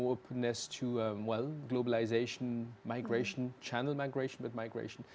dan karena kita semua berada dalam demokrasi